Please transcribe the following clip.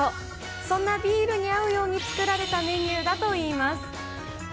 そんなビールに合うように作られたメニューだといいます。